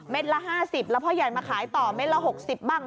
ละ๕๐แล้วพ่อใหญ่มาขายต่อเต็ดละ๖๐บ้าง